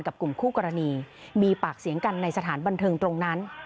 กลุ่มคู่กรณีมีปากเสียงกันในสถานบันเทิงตรงนั้น